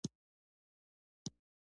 مچمچۍ له شنو بوټو سره دوستي لري